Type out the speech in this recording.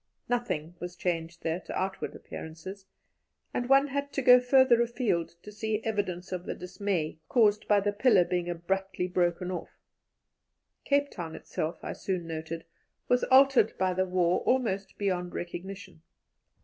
Nothing was changed there to outward appearances, and one had to go farther afield to see evidences of the dismay caused by the pillar being abruptly broken off. Cape Town itself, I soon noted, was altered by the war almost beyond recognition.